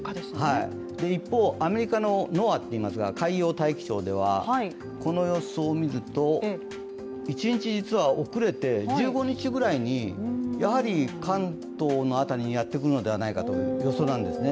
一方、アメリカのＮＯＡＡ＝海洋大気庁ではこの予想を見ると、１日遅れて、１５日くらいに関東の辺りにやってくるのではないかという予想なんですね。